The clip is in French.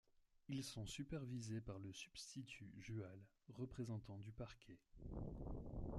Ils sont supervisés par le substitut Jual, représentant du parquet.